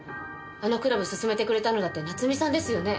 あのクラブすすめてくれたのだって菜摘さんですよね。